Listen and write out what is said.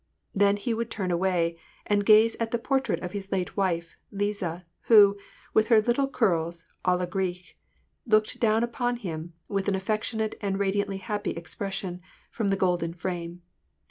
Then he would turn away, and gaze at the portrait of his late wife, Liza, who, with her little curls a la grecque, looked down upon him, with an affectionate and radiantly happy ex pression, from the golden frame.